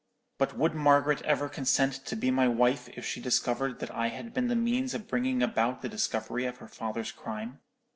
"But would Margaret ever consent to be my wife, if she discovered that I had been the means of bringing about the discovery of her father's crime?